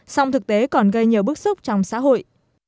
song thực tế còn gây nhiều bức xúc trong xã hội